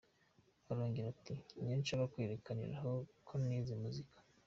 Arongera ati “Niyo nshaka kwerekaniraho ko nize muzika.